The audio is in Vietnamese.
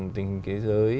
tình thế giới